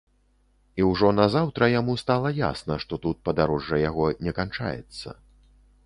І ўжо назаўтра яму стала ясна, што тут падарожжа яго не канчаецца.